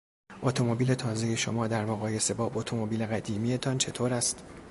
اتومبیل تازهی شما در مقایسه با اتومبیل قدیمیتان چطور است؟